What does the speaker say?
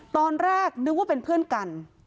ตอนแรกนึกว่าเป็นเพื่อนกัน